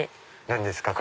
何ですか？